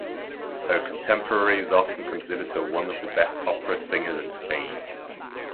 Her contemporaries often considered her one of the best opera singers in Spain.